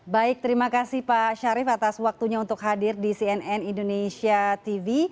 baik terima kasih pak syarif atas waktunya untuk hadir di cnn indonesia tv